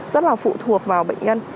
rất là phụ thuộc vào bệnh nhân